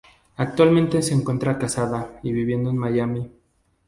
Actualmente se encuentra casada y viviendo en Miami.